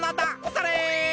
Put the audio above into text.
それ！